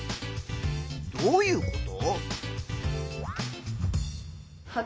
どういうこと？